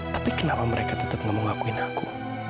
tapi kenapa mereka tetap gak mau ngakuin aku